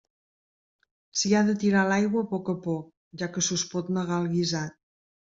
S'hi ha de tirar l'aigua a poc a poc, ja que se us pot negar el guisat.